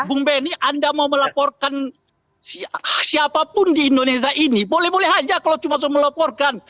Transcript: bung benny anda mau melaporkan siapapun di indonesia ini boleh boleh aja kalau cuma saya melaporkan